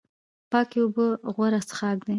پاکې اوبه غوره څښاک دی